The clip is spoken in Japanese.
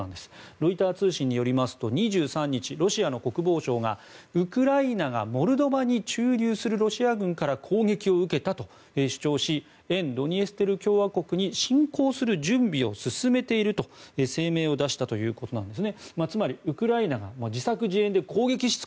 ロイター通信によりますと２３日、ロシアの国防省がウクライナがモルドバに駐留するロシア軍から攻撃を受けたと主張し、沿ドニエストル共和国に侵攻する準備を進めていると声明を出したということなんです。